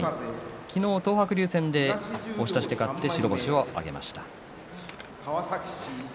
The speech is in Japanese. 昨日、東白龍戦で押し出しで勝って白星を挙げました。